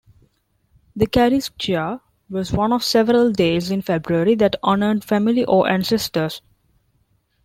The Caristia was one of several days in February that honored family or ancestors.